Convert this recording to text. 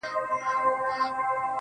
o زه به د خال او خط خبري كوم.